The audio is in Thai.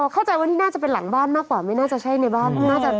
เข้าใจว่านี่น่าจะเป็นหลังบ้านมากกว่าไม่น่าจะใช่ในบ้าน